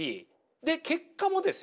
で結果もですよ